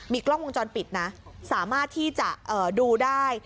กล้องวงจรปิดนะสามารถที่จะดูได้